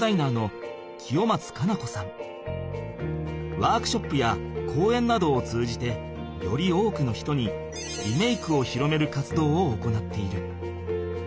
ワークショップやこうえんなどを通じてより多くの人にリメイクを広める活動を行っている。